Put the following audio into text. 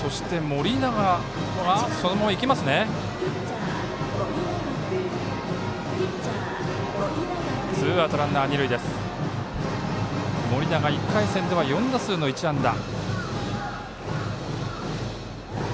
盛永、１回戦では４打数の１安打。